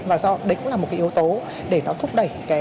và đấy cũng là một cái yếu tố để nó thúc đẩy